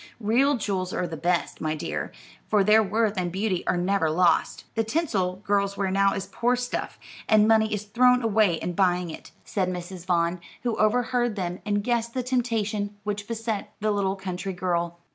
"Real jewels are the best, my dear, for their worth and beauty are never lost. The tinsel girls wear now is poor stuff, and money is thrown away in buying it," said Mrs. Vaughn, who overheard them and guessed the temptation which beset the little country girl.